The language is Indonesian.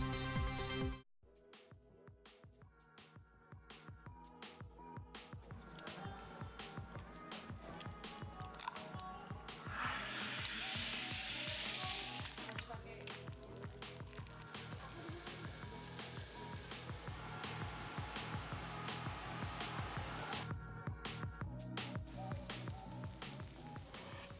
alat masak yang terbaik